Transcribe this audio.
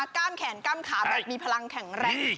กล้ามแขนกล้ามขาแบบมีพลังแข็งแรง